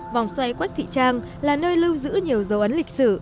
vòng xoay quách thị trang là nơi lưu giữ nhiều dấu ấn lịch sử